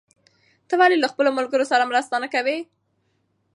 ته ولې له خپلو ملګرو سره مرسته نه کوې؟